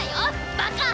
バカ！